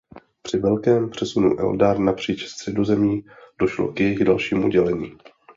Při velkém přesunu Eldar napříč Středozemí došlo k jejich dalšímu dělení.